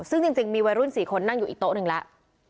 ซึ่งจริงมีวัยรุ่น๔คนนั่งอยู่อีกโต๊ะหนึ่งแล้ว